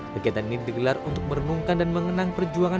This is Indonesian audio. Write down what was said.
kegiatan ini digelar untuk merenungkan dan mengenang perjuangan